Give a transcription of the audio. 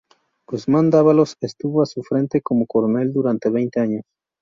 Guzmán-Dávalos estuvo a su frente como coronel durante veinte años.